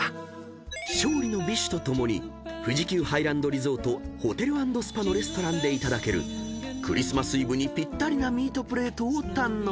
［勝利の美酒と共に富士急ハイランドリゾートホテル＆スパのレストランでいただけるクリスマスイブにぴったりなミートプレートを堪能］